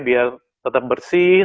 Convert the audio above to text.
biar tetap bersih